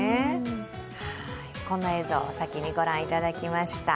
こんな映像を先にご覧いただきました。